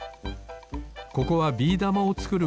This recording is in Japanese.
ここはビーだまをつくる